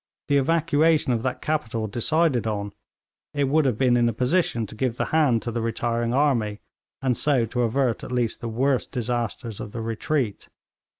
The evacuation of that capital decided on, it would have been in a position to give the hand to the retiring army, and so to avert at least the worst disasters of the retreat.